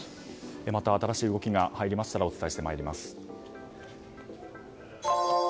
また新しい動きが入りましたらお伝えしてまいります。